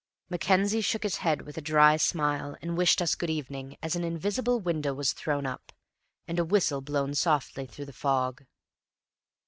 Mackenzie shook his head with a dry smile, and wished us good evening as an invisible window was thrown up, and a whistle blown softly through the fog.